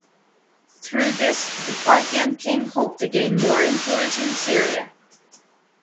Through this the Parthian king hoped to gain more influence in Syria.